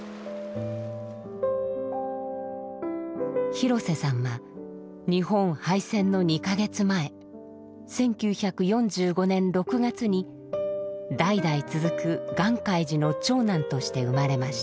廣瀬さんは日本敗戦の２か月前１９４５年６月に代々続く願海寺の長男として生まれました。